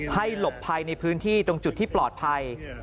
หลบภัยในพื้นที่ตรงจุดที่ปลอดภัย